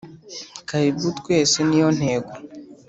karibu twese niyo ntego